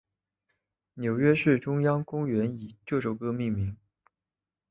纽约市中央公园的以这首歌命名。